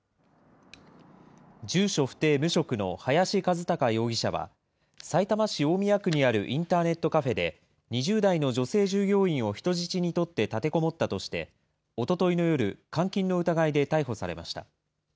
住所不定無職の林一貴容疑者は、さいたま市大宮区にあるインターネットカフェで、２０代の女性従業員を人質に取って立てこもったとして、おとといの夜、監禁の疑いで逮捕されました。